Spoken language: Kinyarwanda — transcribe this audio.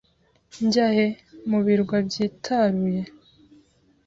Njya he? Mu birwa byitaruye?